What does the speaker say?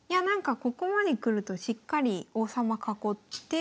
ここまで来るとしっかり王様囲って。